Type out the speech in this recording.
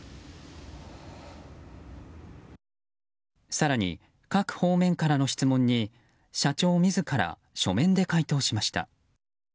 更に各方面からの質問に社長自ら書面で回答しました。